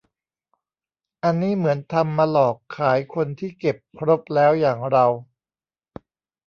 อันนี้เหมือนทำมาหลอกขายคนที่เก็บครบแล้วอย่างเรา